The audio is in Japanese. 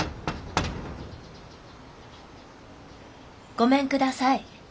ごめんください。